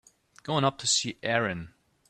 Going up to see Erin.